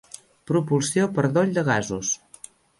Propulsió per doll de gasos.